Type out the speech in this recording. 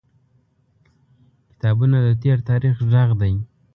• کتابونه د تیر تاریخ غږ دی.